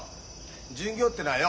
巡業ってのはよ